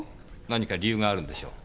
何か理由があるんでしょう。